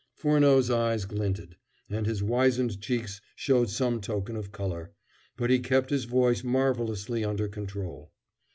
Furneaux's eyes glinted, and his wizened cheeks showed some token of color, but he kept his voice marvelously under control.